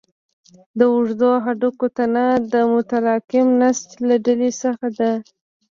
د اوږدو هډوکو تنه د متراکم نسج له ډلې څخه ده.